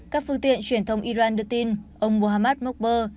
các phương tiện truyền thông iran đưa tin ông mohammad morbes